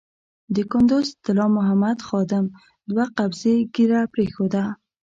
د کندز طلا محمد خادم دوه قبضې ږیره پرېښوده.